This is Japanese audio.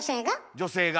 女性が。